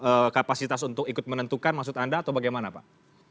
apakah kapasitas untuk ikut menentukan maksud anda atau bagaimana pak